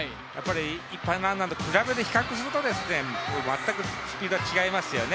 一般ランナーと比較すると全くスピードが違いますよね。